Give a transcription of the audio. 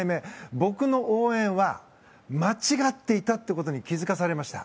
僕の応援は間違っていたってことに気づかされました。